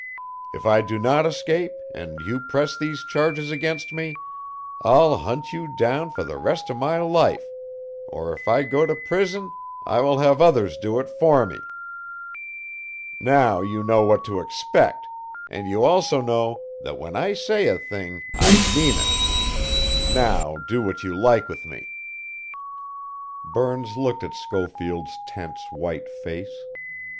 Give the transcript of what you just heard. If I do not escape and you press these charges against me, I'll hunt you down for the rest of my life; or if I go to prison I will have others do it for me. "Now you know what to expect, and you also know that when I say a thing I mean it. Now do what you like with me." Burns looked at Schofield's tense white face.